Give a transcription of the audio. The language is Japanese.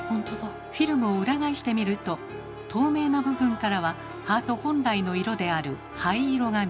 フィルムを裏返してみると透明な部分からはハート本来の色である灰色が見えます。